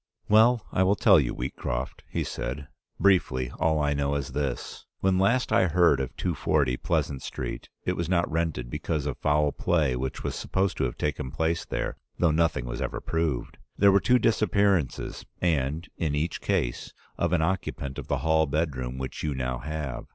'Well, I will tell you, Wheatcroft,' he said. 'Briefly all I know is this: When last I heard of 240 Pleasant Street it was not rented because of foul play which was supposed to have taken place there, though nothing was ever proved. There were two disappearances, and — in each case — of an occupant of the hall bedroom which you now have.